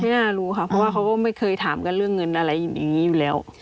น่ารู้ค่ะเพราะว่าเขาก็ไม่เคยถามกันเรื่องเงินอะไรอย่างนี้อยู่แล้ว